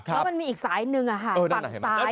เพราะมันมีอีกสายหนึ่งอ่ะค่ะฝั่งสาย